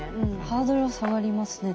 ハードルは下がりますね